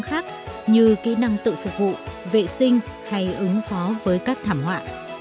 khác như kỹ năng tự phục vụ vệ sinh hay ứng phó với các thảm họa